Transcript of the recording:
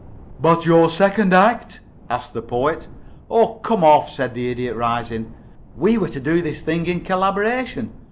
"But your second act?" asked the Poet. "Oh, come off," said the Idiot, rising. "We were to do this thing in collaboration.